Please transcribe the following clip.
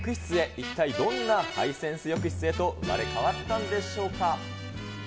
一体どんなハイセンス浴室へと生まれ変わったんでしょうか。